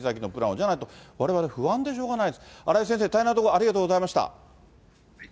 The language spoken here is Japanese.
じゃないと、われわれ不安でしょうがないです。荒井先生、大変なところ、ありがとうございました。